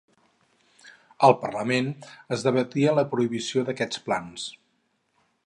Al parlament es debatia la prohibició d'aquests plans.